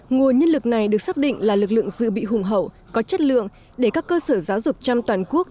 nguồn nhân lực này được xác định là lực lượng dự bị hùng hậu có chất lượng để các cơ sở giáo dục trong toàn quốc